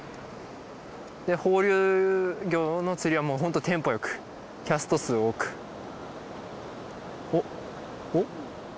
放流魚の釣りはもうホントテンポよくキャスト数多くおっおっ？